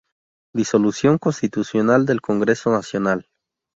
Disolución constitucional del Congreso Nacional.